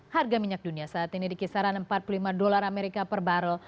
harga minyak dunia saat ini di kisaran empat puluh lima dolar amerika per barrel